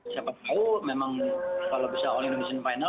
siapa tahu memang kalau bisa all indonesian final